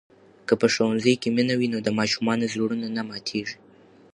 که په ښوونځي کې مینه وي نو د ماشومانو زړونه نه ماتېږي.